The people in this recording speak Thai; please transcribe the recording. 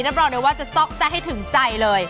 รับรองเลยว่าจะซ็อกแซะให้ถึงใจเลย